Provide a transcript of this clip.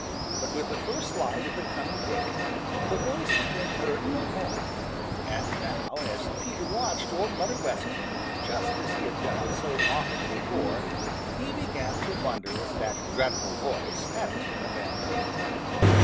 But with the first light of the coming day the voice had been heard no more, and now, as Peter watched Old Mother West Wind just as he had done so often before, he began to wonder if that dreadful voice hadn't been a bad dream.